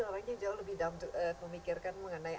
orangnya jauh lebih down memikirkan mengenai